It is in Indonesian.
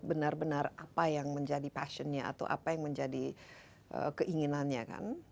benar benar apa yang menjadi passionnya atau apa yang menjadi keinginannya kan